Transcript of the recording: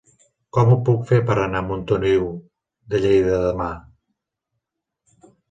Com ho puc fer per anar a Montoliu de Lleida demà?